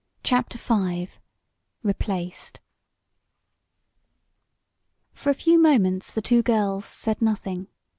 CHAPTER V REPLACED For a few moments the two girls said nothing.